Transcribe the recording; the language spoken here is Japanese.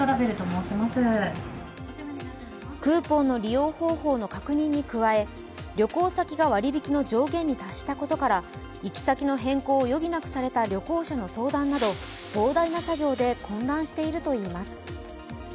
クーポンの利用方法の確認に加え旅行先が割引の上限に達したことから、行先の変更を余儀なくされた旅行者の相談など膨大な作業で混乱しているといいます。